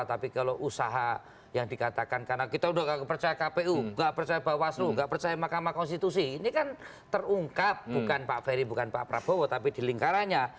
tapi kalau usaha yang dikatakan karena kita sudah percaya kpu nggak percaya bawaslu nggak percaya mahkamah konstitusi ini kan terungkap bukan pak ferry bukan pak prabowo tapi di lingkarannya